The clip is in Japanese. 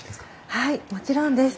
はいもちろんです。